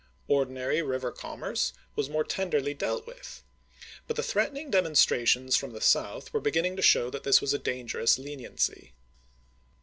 Ordinary river com merce was more tenderly dealt with ; but the threatening demonstrations from the South were beginning to show that this was a dangerous leni ency.